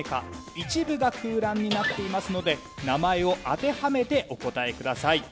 一部が空欄になっていますので名前を当てはめてお答えください。